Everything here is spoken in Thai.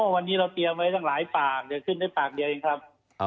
อ๋อวันนี้เราเตรียมไว้ทั้งหลายปากแต่ขึ้นในปากเดียวเองครับ